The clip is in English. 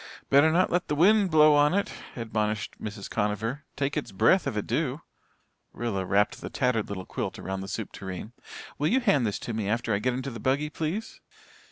"Better not let the wind blow on it," admonished Mrs. Conover. "Take its breath if it do." Rilla wrapped the tattered little quilt around the soup tureen. "Will you hand this to me after I get into the buggy, please?"